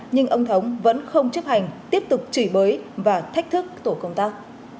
nhưng ông thống vẫn không chấp hành tiếp tục chửi bới và thách thức tổ công tác